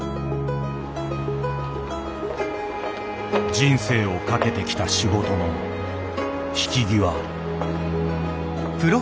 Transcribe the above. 人生を懸けてきた仕事の引き際。